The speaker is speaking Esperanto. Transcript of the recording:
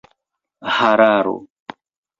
hararo